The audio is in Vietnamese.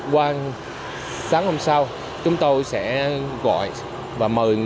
qua sáng hôm sau chúng tôi sẽ gọi và mời người dân